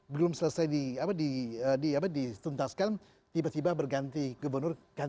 belum selesai di apa di apa di tuntaskan tiba tiba berganti gubernur ganti kebijakan